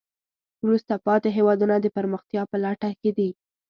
وروسته پاتې هېوادونه د پرمختیا په لټه کې دي.